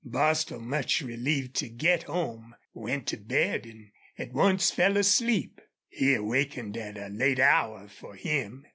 Bostil, much relieved to get home, went to bed and at once fell asleep. He awakened at a late hour for him.